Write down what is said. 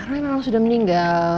rai malah sudah meninggal